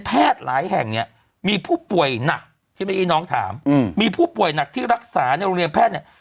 หลายแห่งเนี่ยมีผู้ป่วยหนักที่เมื่อกี้น้องถามมีผู้ป่วยหนักที่รักษาในโรงเรียนแพทย์เนี่ย